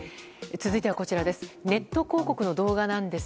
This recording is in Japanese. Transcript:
続いては、こちらです。